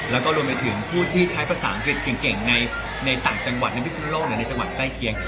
แล้วก็รวมไปถึงผู้ที่ใช้ภาษาอังกฤษเก่งในต่างจังหวัดในพิศนุโลกหรือในจังหวัดใกล้เคียง